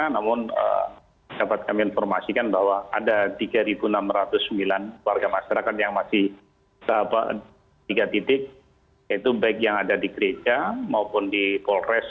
namun dapat kami informasikan bahwa ada tiga enam ratus sembilan warga masyarakat yang masih tiga titik yaitu baik yang ada di gereja maupun di polres